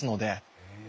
へえ。